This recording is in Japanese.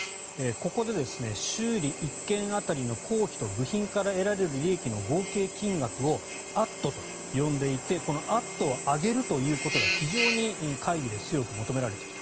ここで修理１件当たりの工費と部品から得られる利益の合計金額を「＠」と呼んでいてこの「＠」を上げることが非常に会議で強く求められていた。